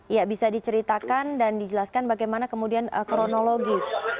ya bisa diceritakan dan dijelaskan bagaimana kemudian kronologi